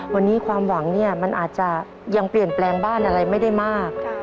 วันนี้ความหวังเนี่ยมันอาจจะยังเปลี่ยนแปลงบ้านอะไรไม่ได้มาก